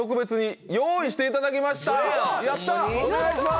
お願いします！